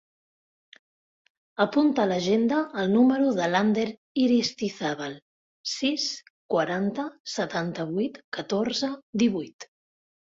Apunta a l'agenda el número de l'Ander Aristizabal: sis, quaranta, setanta-vuit, catorze, divuit.